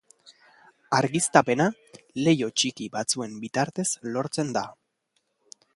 Argiztapena leiho txiki batzuen bitartez lortzen da.